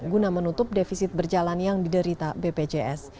guna menutup defisit berjalan yang diderita bpjs